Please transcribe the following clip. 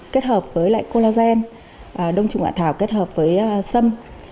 kết hợp với lại collagen đồng trùng hạ thảo kết hợp với xâm